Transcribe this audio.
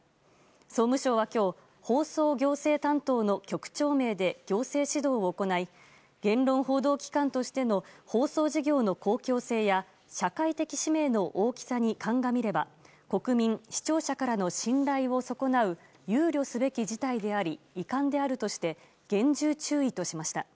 総務省は今日放送行政担当の局長名で行政指導を行い言論報道機関としての放送事業の公共性や社会的使命の大きさに鑑みれば国民・視聴者からの信頼を損なう憂慮すべき事態であり遺憾であるとして厳重注意としました。